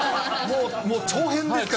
もう長編ですから。